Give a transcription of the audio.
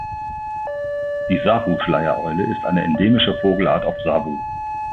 Die Sawu-Schleiereule ist eine endemische Vogelart auf Sawu.